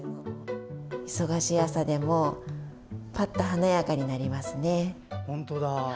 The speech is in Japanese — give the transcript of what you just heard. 忙しい朝でもぱっと華やかになりますね。